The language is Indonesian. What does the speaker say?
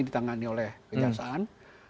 ditangani oleh kejahasaan